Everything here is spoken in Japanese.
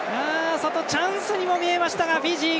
外、チャンスにも見えましたがフィジー